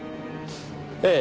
ええ。